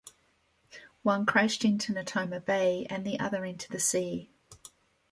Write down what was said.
One crashed into Natoma Bay and the other into the sea.